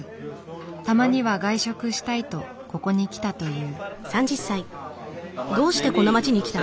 たまには外食したいとここに来たという。